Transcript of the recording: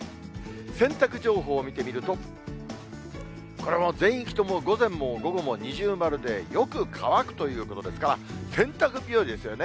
洗濯情報見てみると、これも全域とも、午前も午後も二重丸でよく乾くということですから、洗濯日和ですよね。